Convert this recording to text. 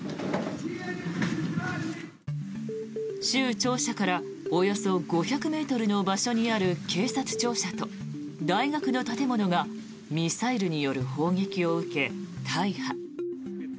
州庁舎からおよそ５００ｍの場所にある警察庁舎と大学の建物がミサイルによる砲撃を受け、大破。